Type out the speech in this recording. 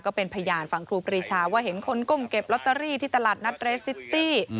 ก็เป็นพยานฝั่งครูปรีชาว่าเห็นคนก้มเก็บลอตเตอรี่ที่ตลาดนัดเรสซิตี้